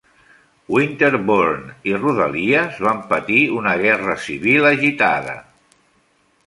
Winterbourne i rodalies van patir una Guerra Civil agitada.